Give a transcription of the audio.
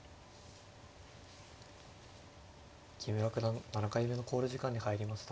木村九段７回目の考慮時間に入りました。